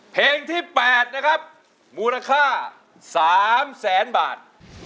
เพลงที่๘นะครับมูลค่า๓แสนบาท